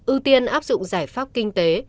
ưu tiên áp dụng giải pháp kinh tế